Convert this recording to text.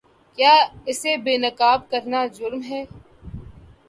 کیا اسے بے نقاب کرنا جرم ہے؟